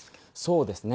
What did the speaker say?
そうですね。